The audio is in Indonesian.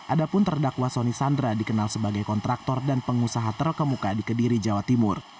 adapun terdakwa soni sandra dikenal sebagai kontraktor dan pengusaha terkemuka di kediri jawa timur